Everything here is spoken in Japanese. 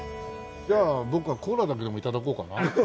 じゃあ僕はコーラだけでも頂こうかな。